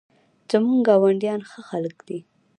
زموږ ګاونډیان ښه خلک دي